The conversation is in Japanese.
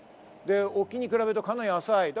沖に比べるとかなり浅い。